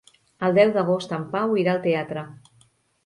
El deu d'agost en Pau irà al teatre.